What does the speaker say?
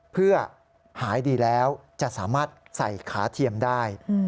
เพื่อหายดีแล้วจะสามารถใส่ขาเทียมได้